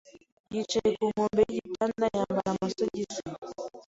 yicaye ku nkombe yigitanda yambara amasogisi.